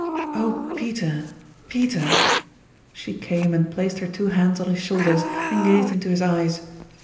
"Oh, Peter, Peter!" She came and placed her two hands on his shoulders and gazed into his eyes.